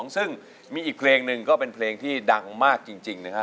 ซึ่งมีอีกเพลงหนึ่งก็เป็นเพลงที่ดังมากจริงนะครับ